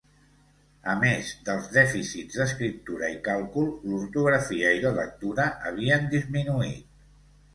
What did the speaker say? A més dels dèficits d'escriptura i càlcul, l'ortografia i la lectura havien disminuït.